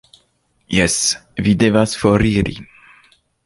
Jes, vi devas foriri